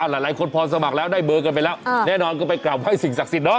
หลายคนพอสมัครแล้วได้เบอร์กันไปแล้วแน่นอนก็ไปกลับไห้สิ่งศักดิ์สิทธิเนาะ